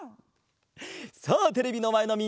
さあテレビのまえのみんな！